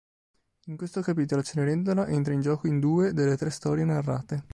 In questo capitolo Cenerentola entra in gioco in due delle tre storie narrate.